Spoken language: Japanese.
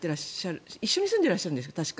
一緒に住んでらっしゃるんですよね？